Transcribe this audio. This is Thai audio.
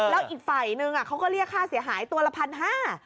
แล้วอีกฝ่ายนึงเขาก็เรียกค่าเสียหายตัวละพันห้า